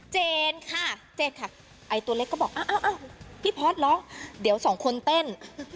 เจนค่ะไอ้ตัวเล็กก็บอกพี่พอสหรอเดี๋ยวสองคนเต้น